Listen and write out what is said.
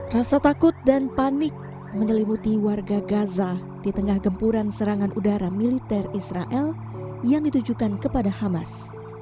rasa takut dan panik menyelimuti warga gaza di tengah gempuran serangan udara militer israel yang ditujukan kepada hamas